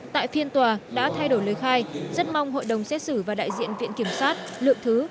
tại phiên tòa đã thay đổi lời khai rất mong hội đồng xét xử và đại diện viện kiểm sát lượng thứ